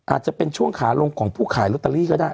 อาจจะเป็นช่วงขาลงของผู้ขายลอตเตอรี่ก็ได้